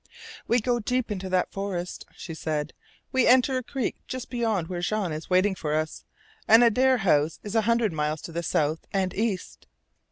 "We go deep into that forest," she said. "We enter a creek just beyond where Jean is waiting for us, and Adare House is a hundred miles to the south and east."